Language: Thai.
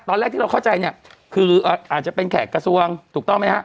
ตอนแรกที่เราเข้าใจเนี่ยคืออาจจะเป็นแขกกระทรวงถูกต้องไหมฮะ